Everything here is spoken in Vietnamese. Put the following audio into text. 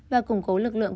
và củng cố lực lượng